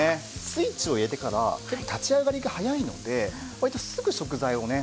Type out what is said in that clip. スイッチを入れてから結構立ち上がりが早いので割とすぐ食材をね